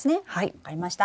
分かりました！